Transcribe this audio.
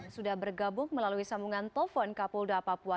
sudah bergabung melalui sambungan telepon kapolda papua